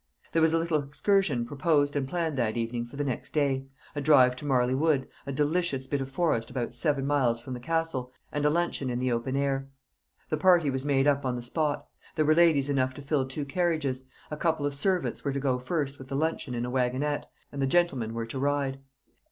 There was a little excursion proposed and planned that evening for the next day a drive to Marley Wood, a delicious bit of forest about seven miles from the Castle, and a luncheon in the open air. The party was made up on the spot. There were ladies enough to fill two carriages; a couple of servants were to go first with the luncheon in a waggonette, and the gentlemen were to ride.